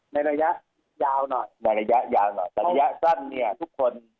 ระยะยาวหน่อยในระยะยาวหน่อยแต่ระยะสั้นเนี่ยทุกคน